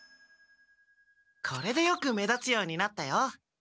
これでよく目立つようになったよ。